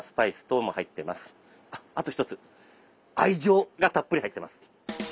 あと一つ愛情がたっぷり入ってます。